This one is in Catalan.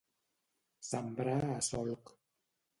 Sembrar a solc.